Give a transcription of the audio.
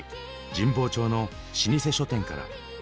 神保町の老舗書店から。